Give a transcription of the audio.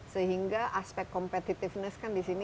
sehingga aspek competitiveness kan di sini